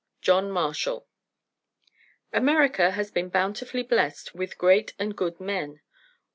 JOHN MARSHALL. America has been bountifully blessed with great and good men.